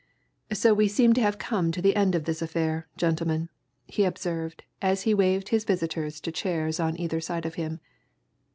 "So we seem to have come to the end of this affair, gentlemen," he observed as he waved his visitors to chairs on either side of him.